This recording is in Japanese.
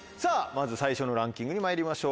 まず最初のランキングにまいりましょう。